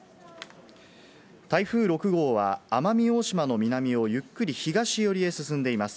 台風６号は奄美大島の南を、ゆっくり東寄りへ進んでいます。